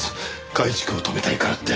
改築を止めたいからって。